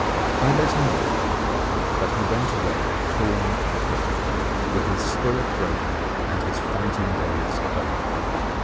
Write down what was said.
] I let him live; but he went away torn and crippled, with his spirit broken and his fighting days over.